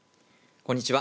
こんにちは。